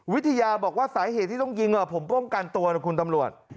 วิทยาบอกว่าสาเหตุที่ต้องยิงผมป้องกันตัวนะคุณตำรวจ